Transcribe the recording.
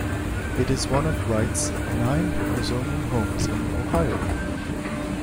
It is one of Wright's nine Usonian homes in Ohio.